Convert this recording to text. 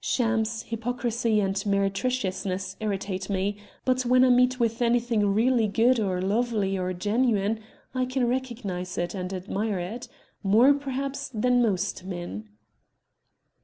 Shams, hypocrisy, and meretriciousness irritate me, but when I meet with anything really good or lovely or genuine I can recognize it and admire it more perhaps than most men."